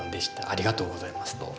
ありがとうございます」と。